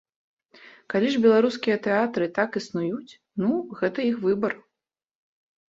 Калі ж беларускія тэатры так існуюць, ну, гэта іх выбар.